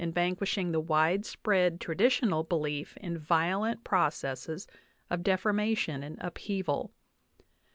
vanquishing the widespread traditional belief in violent processes of deformation and upheaval.